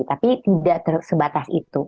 tapi tidak tersebatas itu